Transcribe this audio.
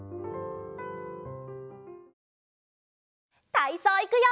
たいそういくよ！